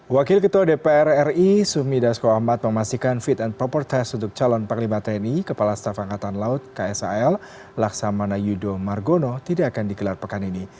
wakil ketua dpr ri sumi dasko ahmad memastikan fit and proper test untuk calon panglima tni kepala staf angkatan laut ksal laksamana yudo margono tidak akan digelar pekan ini